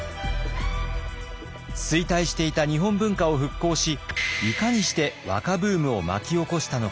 衰退していた日本文化を復興しいかにして和歌ブームを巻き起こしたのか。